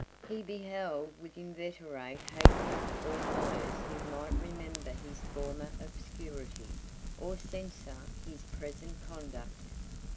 He beheld with inveterate hatred all those who might remember his former obscurity, or censure his present conduct.